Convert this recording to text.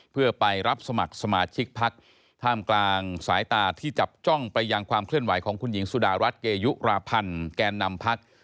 เพื่อไปรับสมัครสมาชิกพักท่ามกลางสายตาที่จับจ้องไปยังความเคลื่อนไหวของคุณหญิงสุดารัฐเกยุราพันธ์แกนนำพัก